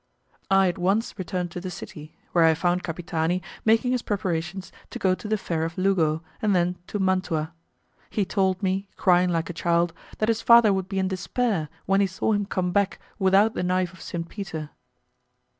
I at once returned to the city, where I found Capitani making his preparations to go to the fair of Lugo, and then to Mantua. He told me, crying like a child, that his father would be in despair when he saw him come back without the knife of Saint Peter.